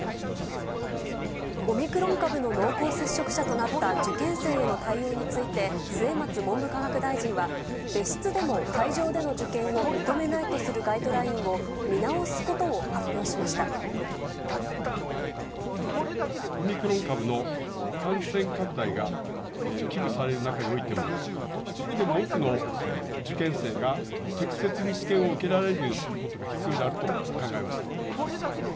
オミクロン株の濃厚接触者となった受験生への対応について、末松文部科学大臣は、別室でも会場での受験を認めないとするガイドラインを、見直すこオミクロン株の感染拡大が危惧される中においても、１人でも多くの受験生が、適切に試験を受けられるようにすることが必要であると考えました。